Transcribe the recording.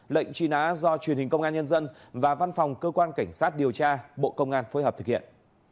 lệnh truy nã do truyền hình công an nhân dân và văn phòng cơ quan cảnh sát điều tra bộ công an phối hợp thực hiện